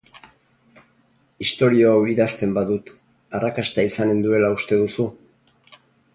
Istorio hau idazten badut, arrakasta izanen duela uste duzu?